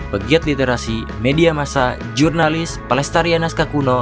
pegiat literasi media masa jurnalis palestarianas kakuno